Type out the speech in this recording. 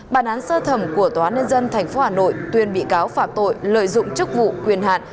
bản án sơ thẩm của tòa nhân dân tp hà nội tuyên bị cáo phạm tội lợi dụng chức vụ quyền hạn